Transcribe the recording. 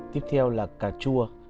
tiếp theo là cà chua